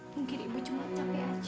mungkin ibu cuma capek aja